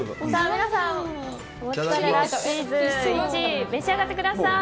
皆さん、１位を召し上がってください。